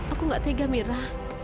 aku gak tega mira